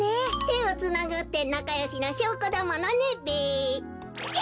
てをつなぐってなかよしのしょうこだものねべ。